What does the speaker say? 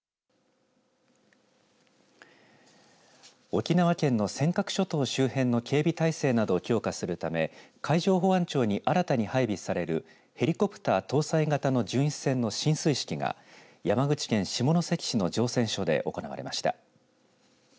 沖縄県の尖閣諸島周辺の警備体制などを強化するため海上保安庁に新たに配備されるヘリコプター搭載型の巡視船の進水式が山口県下関市の造船所で行われました。